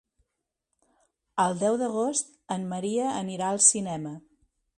El deu d'agost en Maria anirà al cinema.